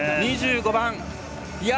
２５番。